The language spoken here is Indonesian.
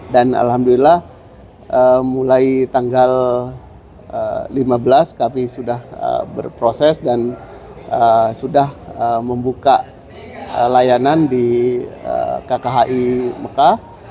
dan alhamdulillah mulai tanggal lima belas kami sudah berproses dan sudah membuka layanan di kkhi mekah